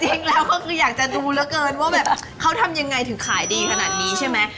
จริงแล้วก็คืออยากจะดูเหลือเกินว่าแบบเขาทำยังไงถึงขายดีขนาดนี้ใช่ไหม